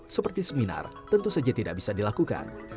seperti seminar tentu saja tidak bisa dilakukan